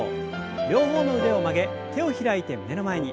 両方の腕を曲げ手を開いて胸の前に。